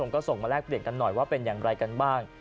ก็ส่งมาแลกเปลี่ยนกันหน่อยว่าเป็นอย่างไรกันบ้าง